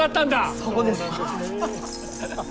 そうです。